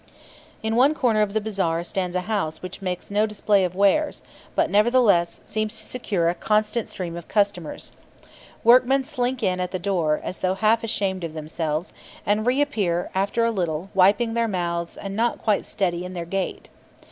In one corner of the bazaar stands a house which makes no display of wares, but, nevertheless, seems to secure a constant stream of customers. Workmen slink in at the door, as though half ashamed of themselves, and reappear, after a little, wiping their mouths, and not quite steady in their gait.